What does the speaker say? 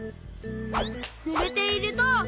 ぬれていると。